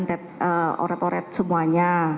menyajikan orat oret semuanya